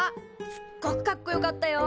すっごくかっこよかったよ！